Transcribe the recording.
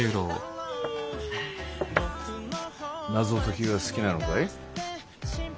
謎解きが好きなのかい？